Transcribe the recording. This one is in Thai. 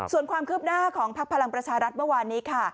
ส่วนความคืบหน้าของพักพลังประชารัฐเมื่อวานนี้ค่ะ